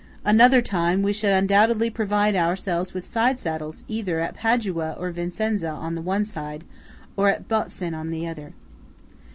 Another time, we should undoubtedly provide ourselves with side saddles either at Padua or Vicenza on the one side, or at Botzen on the other.